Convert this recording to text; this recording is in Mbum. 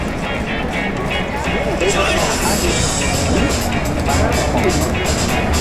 Tul woiri ka̧h ani kémíi ɓa mo̧ko?